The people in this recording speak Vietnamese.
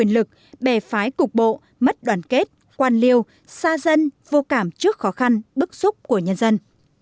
lực bề phái cục bộ mất đoàn kết quan liêu xa dân vô cảm trước khó khăn bức xúc của nhân dân